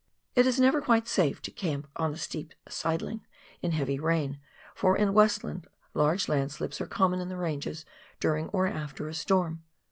It is never quite safe to camp on a steep " sideling " in heavy rain, for, in Westland, large landslips are common in the ranges during or after a storm.